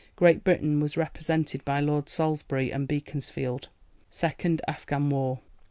Great Britain was represented by Lords Salisbury and Beaconsfield. Second Afghan War.